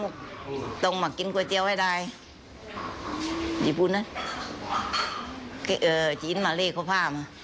แต่ก็ต้องมาทานก๋วยเตี๋ยวของป้าทุกครั้งเลยค่ะ